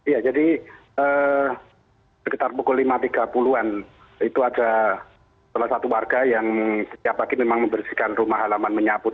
ya jadi sekitar pukul lima tiga puluh an itu ada salah satu warga yang setiap pagi memang membersihkan rumah halaman menyapu